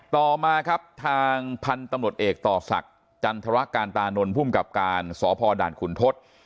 ต่อมาครับทางพันธุ์ตำรวจเอกต่อศักดิ์จันทรการตานนท์ภูมิกับการสพด่านขุนทศ